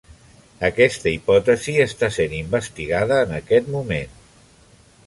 Aquesta hipòtesi està sent investigada en aquest moment.